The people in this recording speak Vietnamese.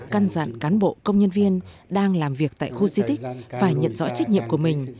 căn dặn cán bộ công nhân viên đang làm việc tại khu di tích phải nhận rõ trách nhiệm của mình